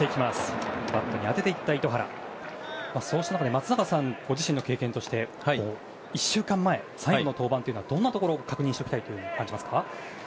松坂さんご自身の経験として１週間前、最後の登板はどんなところを確認しておきたいですか。